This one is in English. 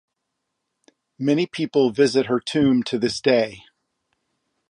Many people visit her tomb to this day.